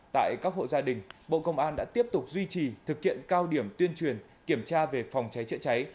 tại các hộ gia đình bộ công an đã tiếp tục duy trì thực hiện cao điểm tuyên truyền kiểm tra về phòng cháy chữa cháy